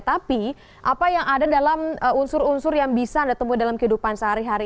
tapi apa yang ada dalam unsur unsur yang bisa anda temui dalam kehidupan sehari hari